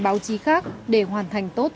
báo chí khác để hoàn thành tốt